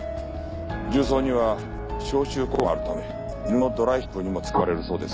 重曹には消臭効果もあるため犬のドライシャンプーにも使われるそうです。